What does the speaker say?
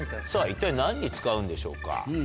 さぁ一体何に使うんでしょうか？